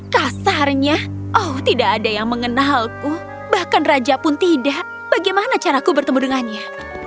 kasarnya oh tidak ada yang mengenalku bahkan raja pun tidak bagaimana caraku bertemu dengannya